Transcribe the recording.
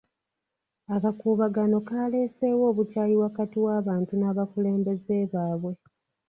Akakuubagano kaleeseewo obukyayi wakati w'abantu n'abakulembeze baabwe.